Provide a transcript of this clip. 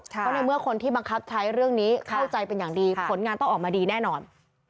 เพราะในเมื่อคนที่บังคับใช้เรื่องนี้เข้าใจเป็นอย่างดีผลงานต้องออกมาดีแน่นอน